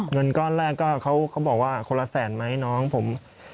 เงินก้อนแรกก็เขาบอกว่าคนละแสนไหมน้องผม